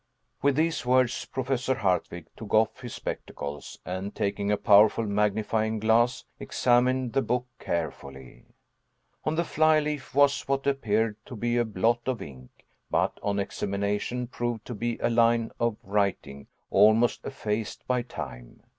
With these words Professor Hardwigg took off his spectacles, and, taking a powerful magnifying glass, examined the book carefully. On the fly leaf was what appeared to be a blot of ink, but on examination proved to be a line of writing almost effaced by time.